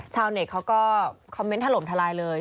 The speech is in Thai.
ชาวเน็ตเขาก็คอมเมนต์ถล่มทลายเลย